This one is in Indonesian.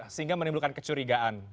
sehingga menimbulkan kecurigaan